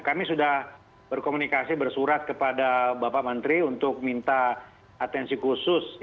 kami sudah berkomunikasi bersurat kepada bapak menteri untuk minta atensi khusus